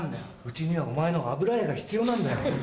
うちにはお前の油絵が必要なんだよ。